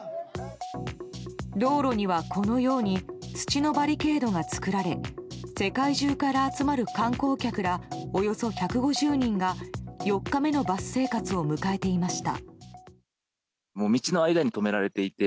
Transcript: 道路には、このように土のバリケードが作られ世界中から集まる観光客らおよそ１５０人が４日目のバス生活を迎えていました。